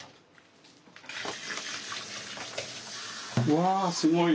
わあすごい。